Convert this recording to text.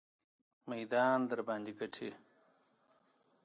میدان درباندې ګټي.